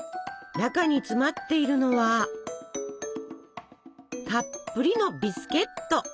中に詰まっているのはたっぷりのビスケット。